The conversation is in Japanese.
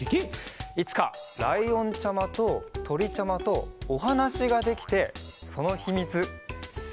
いつかライオンちゃまととりちゃまとおはなしができてそのひみつしれたらいいね。